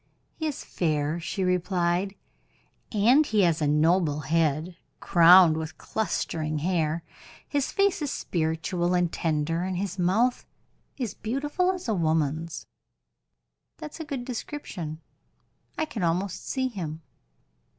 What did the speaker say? "He is fair," she replied, "and he has a noble head, crowned with clustering hair; his face is spiritual and tender, and his mouth is beautiful as a woman's." "That is a good description; I can almost see him.